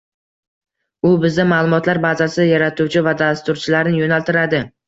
U bizda maʼlumotlar bazasi yaratuvchi va dasturchilarni yoʻnaltiradi.